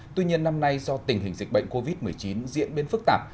tuy nhiên năm nay do tình hình dịch bệnh covid một mươi chín diễn biến phức tạp